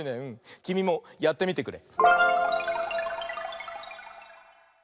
きみもやってみてくれ。